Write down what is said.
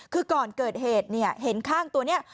คือก่อนเกิดเหตุเนี่ยเห็นข้างตัวนี้